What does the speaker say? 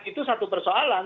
itu satu persoalan